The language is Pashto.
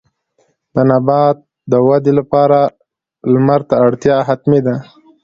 د نبات د ودې لپاره لمر ته اړتیا حتمي ده.